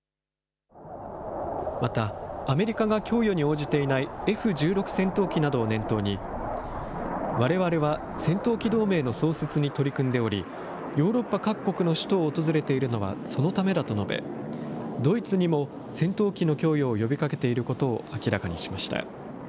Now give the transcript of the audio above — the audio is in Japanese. また、アメリカが供与に応じていないＦ１６戦闘機などを念頭に、われわれは戦闘機同盟の創設に取り組んでおり、ヨーロッパ各国の首都を訪れているのはそのためだと述べ、ドイツにも戦闘機の供与を呼びかけていることを明らかにしました。